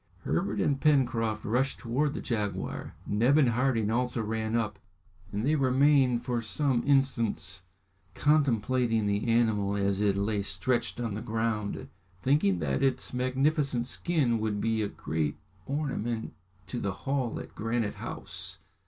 Herbert and Pencroft rushed towards the jaguar. Neb and Harding also ran up, and they remained for some instants contemplating the animal as it lay stretched on the ground, thinking that its magnificent skin would be a great ornament to the hall at Granite House.